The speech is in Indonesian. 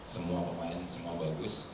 semua pemain semua bagus